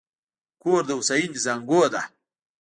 کور د هوساینې زانګو ده.